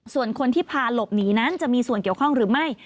ส่วนคนที่พาหลบหนีนั้นจะมีส่วนเกี่ยวข้องหรือไม่